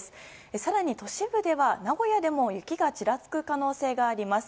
更に都市部では名古屋でも雪がちらつく可能性があります。